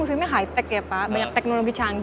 yuk boleh pak kita jalan jalan pak